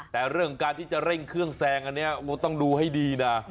แต่เรื่องการที่จะเร่งเครื่องแซงอันนี้ต้องดูให้ดีนะ